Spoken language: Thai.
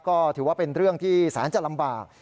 ก็ถือว่าเป็นเรื่องที่แสนจะลำบาก